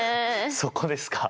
そこですか？